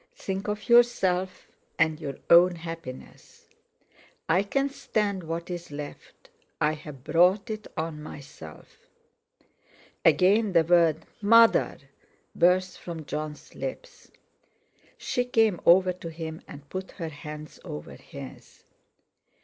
Think of yourself and your own happiness! I can stand what's left—I've brought it on myself." Again the word "Mother!" burst from Jon's lips. She came over to him and put her hands over his.